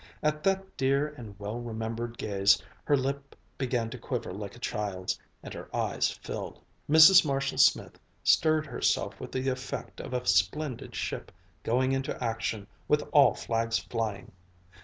At that dear and well remembered gaze, her lip began to quiver like a child's, and her eyes filled. Mrs. Marshall Smith stirred herself with the effect of a splendid ship going into action with all flags flying.